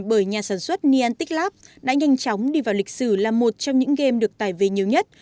bởi nhà sản xuất niantic lab đã nhanh chóng đi vào lịch sử là một trong những game được tài về nhiều nhất